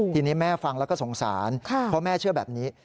ทีนี้แม่ฟังแล้วก็สงสารเพราะแม่เชื่อแบบนี้